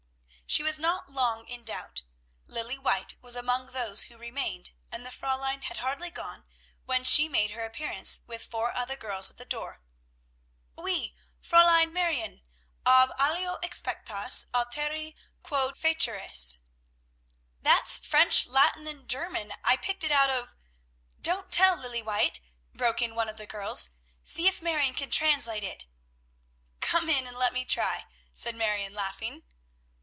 She was not long in doubt. Lilly White was among those who remained, and the Fräulein had hardly gone when she made her appearance with four other girls at her door. "Oui, Fräulein Marione! Ab alio expectes, alteri quod feceris. "That's French, Latin, and German. I picked it out of" "Don't tell, Lilly White," broke in one of the girls. "See if Marion can translate it." "Come in and let me try," said Marion, laughing.